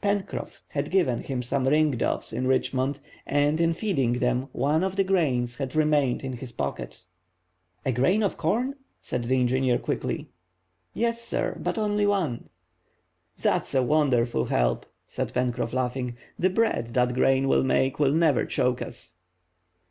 Pencroff had given him some ring doves in Richmond, and in feeding them one of the grains had remained in his pocket. "A grain of corn?" said the engineer, quickly. "Yes, sir; but only one." "That's a wonderful help," said Pencroff, laughing. "The bread that grain will make will never choke us."